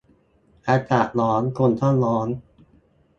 อากาศร้อน คนก็ร้อน